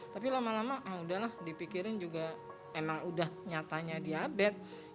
tapi lama lama ah udah lah dipikirin juga emang udah nyatanya diabetes